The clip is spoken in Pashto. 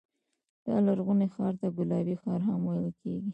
دا لرغونی ښار ته ګلابي ښار هم ویل کېږي.